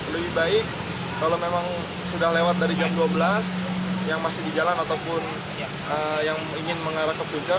lebih baik kalau memang sudah lewat dari jam dua belas yang masih di jalan ataupun yang ingin mengarah ke puncak